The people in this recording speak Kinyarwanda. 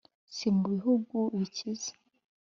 si mu bihugu bikize,